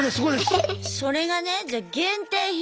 それがねじゃあ限定品